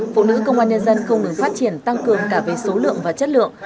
phụ nữ công an nhân dân không ngừng phát triển tăng cường cả về số lượng và chất lượng